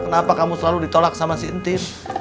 kenapa kamu selalu ditolak sama si intim